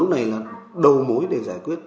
lúc này là đầu mối để giải quyết